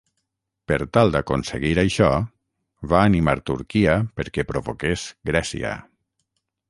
Per tal d'aconseguir això, va animar Turquia perquè provoqués Grècia.